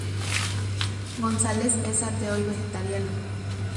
González es ateo y vegetariano.